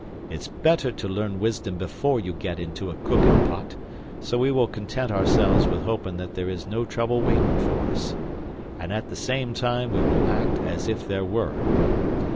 "It's better to learn wisdom before you get into a cookin' pot; so we will content ourselves with hopin' that there is no trouble waitin' for us, and at the same time we will act as if there were.